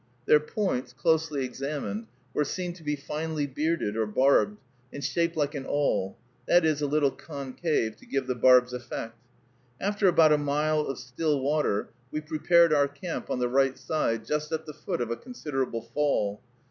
Their points, closely examined, were seen to be finely bearded or barbed, and shaped like an awl, that is, a little concave, to give the barbs effect. After about a mile of still water, we prepared our camp on the right side, just at the foot of a considerable fall.